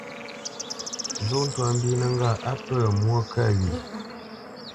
Nzó twâ mbínə́ ŋgâʼ á pə̂ mwô kə wye ?